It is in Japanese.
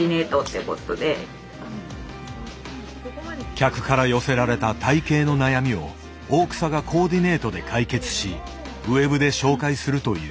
客から寄せられた体形の悩みを大草がコーディネートで解決しｗｅｂで紹介するという。